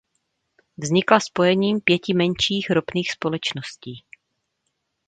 Vznikla spojením pěti menších ropných společností.